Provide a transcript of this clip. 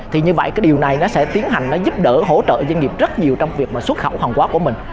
thì như vậy cái điều này nó sẽ tiến hành nó giúp đỡ hỗ trợ doanh nghiệp rất nhiều trong việc mà xuất khẩu hàng quá của mình